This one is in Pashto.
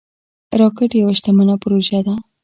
راکټ یوه شتمنه پروژه ده